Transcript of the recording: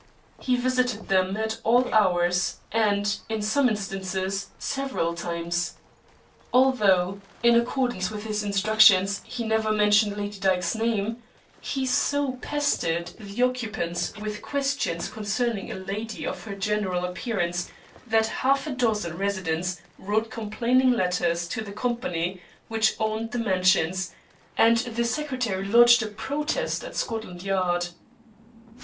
He visited them at all hours, and, in some instances, several times. Although, in accordance with his instructions, he never mentioned Lady Dyke's name, he so pestered the occupants with questions concerning a lady of her general appearance that half a dozen residents wrote complaining letters to the company which owned the mansions, and the secretary lodged a protest at Scotland Yard.